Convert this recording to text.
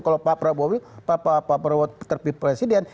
kalau pak prabowo terpilih presiden